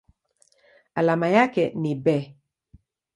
Alama yake ni Be.